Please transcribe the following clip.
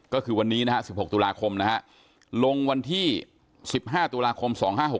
ก็คือวันนี้๑๖ตุลาคมลงวันที่๑๕ตุลาคม๒๕๖๓